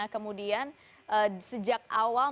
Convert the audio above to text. kemudian sejak awal